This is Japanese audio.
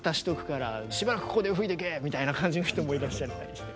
みたいな感じの人もいらっしゃったりして。